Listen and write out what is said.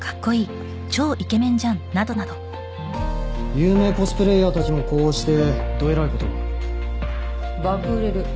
有名コスプレーヤーたちもこうしてどえらいことに爆売れる